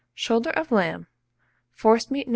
Shoulder of lamb, forcemeat No.